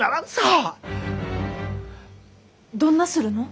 どんなするの？